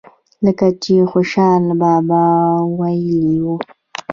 لکه چې خوشحال بابا وئيلي وو۔